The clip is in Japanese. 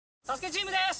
チームです